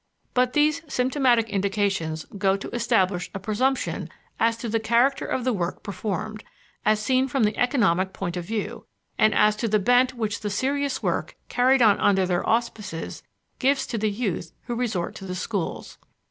But these symptomatic indications go to establish a presumption as to the character of the work performed as seen from the economic point of view and as to the bent which the serious work carried on under their auspices gives to the youth who resort to the schools.